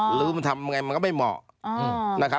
หรือว่ามันทำยังไงมันก็ไม่เหมาะ